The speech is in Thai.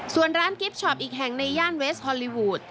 ส่วนร้านกิฟต์ช็อปอีกแห่งในย่านเวสฮอลลีวูด